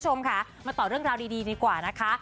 คุณผู้ชมค่ะมาต่อเรื่องราวดีดีกว่านะคะ